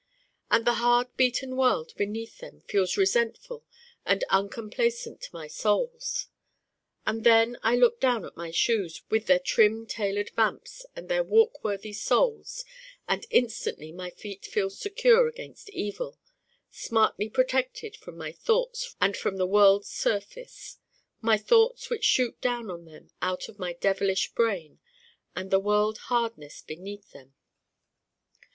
And the hard beaten world beneath them feels resentful and uncomplaisant to my soles. And then I look down at my Shoes with their trim tailored vamps and their walk worthy soles and instantly my feet feel secure against evil, smartly protected from my thoughts and from the world's surface: my thoughts which shoot down on them out of my devilish brain and the world hardness beneath them.